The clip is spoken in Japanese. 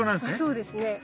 そうですね。